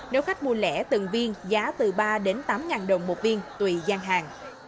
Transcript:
nếu khách mua lẻ từng viên giá từ ba đến tám đồng một viên tùy gian hàng